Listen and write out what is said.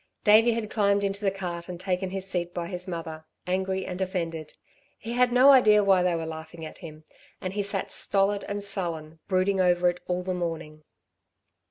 Davey had climbed into the cart and taken his seat by his mother, angry and offended. He had no idea why they were laughing at him; and he sat stolid and sullen, brooding over it all the morning.